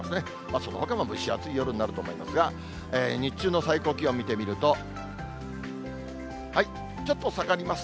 そのほかも蒸し暑い夜になると思いますが、日中の最高気温見てみると、ちょっと下がります。